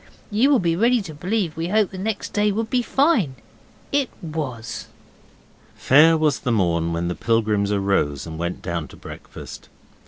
You will be ready to believe we hoped next day would be fine. It was. Fair was the morn when the pilgrims arose and went down to breakfast.